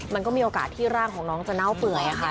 มันก็มีโอกาสที่ร่างของน้องจะเน่าเปื่อย